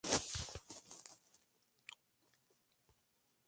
Los Consejeros son designados con acuerdo del Senado de la República y el Gobierno.